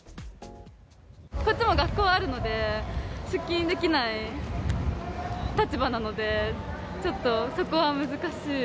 こっちも学校あるので、出勤できない立場なので、ちょっとそこは難しい。